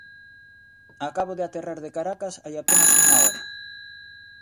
Acabo de aterrar de Caracas hai apenas unha hora.